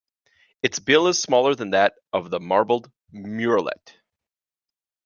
Its bill is smaller than that of the marbled murrelet.